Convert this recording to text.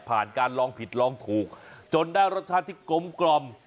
การลองผิดลองถูกจนได้รสชาติที่กลมกล่อม